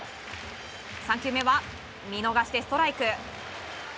３球目は見逃しでストライク。